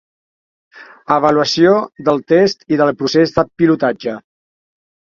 Avaluació del test i del procés de pilotatge.